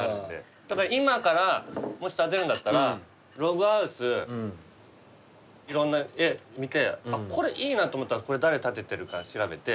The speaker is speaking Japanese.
だから今からもし建てるんだったらログハウスいろんな絵見てこれいいなと思ったらこれ誰建ててるか調べて。